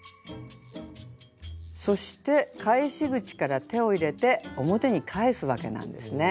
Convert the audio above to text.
そして返し口から手を入れて表に返すわけなんですね。